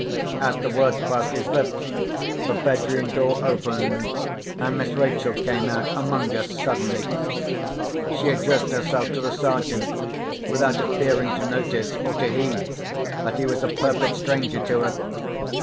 As the words passed his lips, the bedroom door opened, and Miss Rachel came out among us suddenly. She addressed herself to the Sergeant, without appearing to notice (or to heed) that he was a perfect stranger to her.